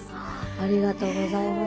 ありがとうございます。